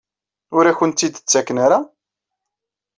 Ur akent-tt-id-ttaken ara?